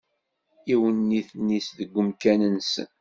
Iwenniten-is deg wemkan-nsen.